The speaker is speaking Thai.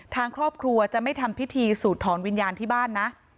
ทางครอบครัวจะไม่ทำพิธีสูดถอนวิญญาณที่บ้านนะ